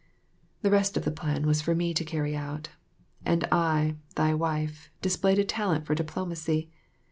The rest of the plan was for me to carry out; and I, thy wife, displayed a talent for diplomacy.